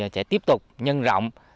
sẽ tiếp tục nhân rộng